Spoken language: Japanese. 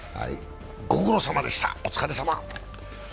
ご苦労さまでした、お疲れさま！